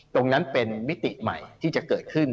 ตรงนั้นเป็นมิติใหม่ที่จะเกิดขึ้น